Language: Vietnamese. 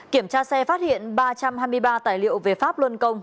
kiểm tra xe phát hiện ba trăm hai mươi ba tài liệu về pháp luân công